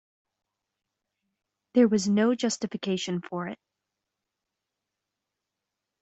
There was no justification for it.